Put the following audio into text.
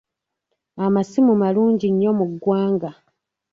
Amasimu malungi nnyo mu ggwanga.